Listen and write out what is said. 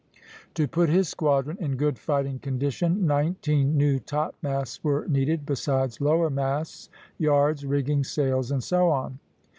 To put his squadron in good fighting condition, nineteen new topmasts were needed, besides lower masts, yards, rigging, sails, and so on.